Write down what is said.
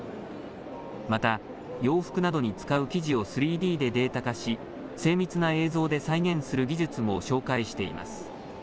また洋服などに使う生地を３Ｄでデータ化し精密な映像で再現する技術も紹介しています。